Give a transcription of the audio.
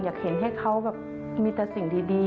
อยากเห็นให้เขาแบบมีแต่สิ่งดี